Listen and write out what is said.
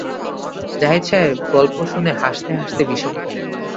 জাহিদ সাহেব গল্প শুনে হাসতে হাসতে বিষম খেলেন।